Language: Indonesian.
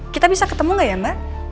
kita bisa ketemu gak ya mbak